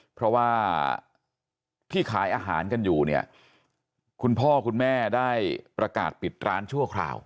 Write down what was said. เพราะว่าที่ขายอาหารกันอยู่เนี่ยคุณพ่อคุณแม่ได้ประกาศปิดร้านชั่วคราว